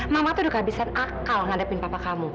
mama tuh udah kehabisan akal ngadepin papa kamu